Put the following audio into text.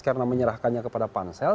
karena menyerahkannya kepada pansel